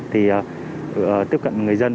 thì tiếp cận người dân